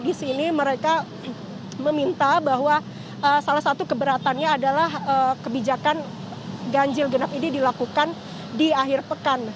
di sini mereka meminta bahwa salah satu keberatannya adalah kebijakan ganjil genap ini dilakukan di akhir pekan